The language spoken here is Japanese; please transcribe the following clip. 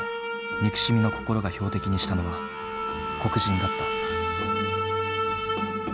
憎しみの心が標的にしたのは黒人だった。